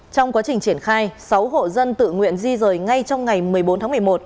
trong quá trình triển khai sáu hộ dân tự nguyện di rời ngay trong ngày một mươi bốn tháng một mươi một